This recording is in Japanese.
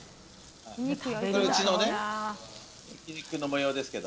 うちの焼き肉の模様ですけど。